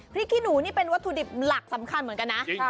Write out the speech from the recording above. ขี้หนูนี่เป็นวัตถุดิบหลักสำคัญเหมือนกันนะ